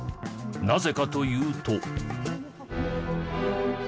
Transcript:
なぜかというと。